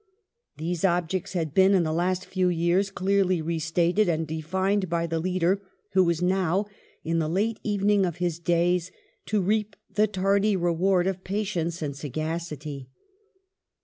Those ob jects had been in the last few years clearly re stated and defined by the leader who was now, in the late evening of his days, to reap the tardy reward of patience and sagacity.